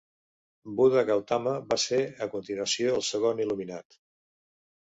Buda Gautama va ser a continuació el segon il·luminat.